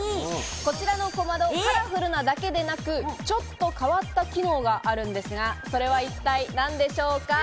こちらの小窓、カラフルなだけでなく、ちょっと変わった機能があるんですが、それは一体何でしょうか？